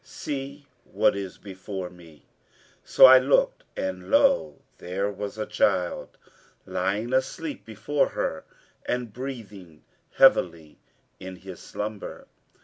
See what is before me.' So I looked and lo! there was a child lying asleep before her and breathing heavily in his slumber.